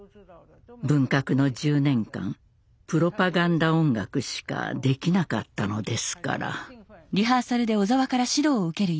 文革の１０年間プロパガンダ音楽しかできなかったのですから。